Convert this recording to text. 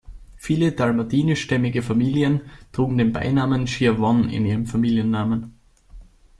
Viele dalmatinisch-stämmige Familien trugen den Beinamen Schiavone in ihrem Familiennamen.